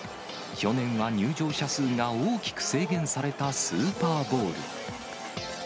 去年は入場者数が大きく制限されたスーパーボウル。